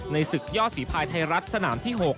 ศึกยอดฝีภายไทยรัฐสนามที่๖